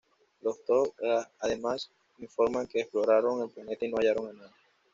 Los Tok'ra además informan que exploraron el planeta y no hallaron a nadie.